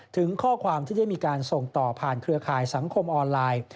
ถึงข้อความที่ได้มีการส่งต่อผ่านเครือข่ายสังคมออนไลน์